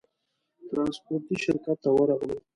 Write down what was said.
ترانسپورټي شرکت ته ورغلو.